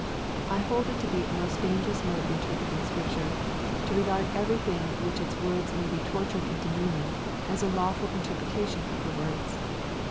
I hold it to be a most dangerous mode of interpreting Scripture, to regard everything which its words may be tortured into meaning, as a lawful inter pretation of the words.